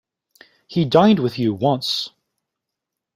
He dined with you once.